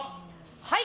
はい！